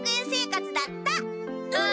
うん！